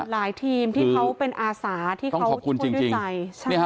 หลายทีมที่เขาเป็นอาสาที่เขาช่วยด้วยใจคือต้องขอบคุณจริง